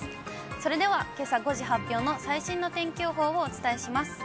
それではけさ５時発表の最新の天気予報をお伝えします。